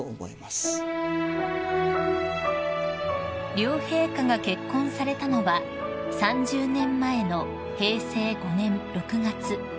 ［両陛下が結婚されたのは３０年前の平成５年６月］